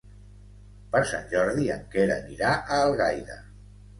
Per Sant Jordi en Quer anirà a Algaida.